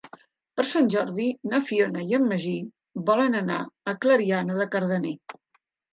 Per Sant Jordi na Fiona i en Magí volen anar a Clariana de Cardener.